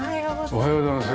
おはようございます。